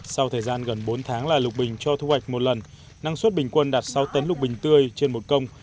sau thời gian gần bốn tháng là lục bình cho thu hoạch một lần năng suất bình quân đạt sáu tấn lục bình tươi trên một công